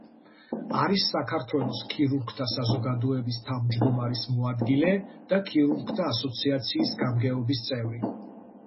არის საქართველოს ქირურგთა საზოგადოების თავმჯდომარის მოადგილე და ქირურგთა ასოციაციის გამგეობის წევრი.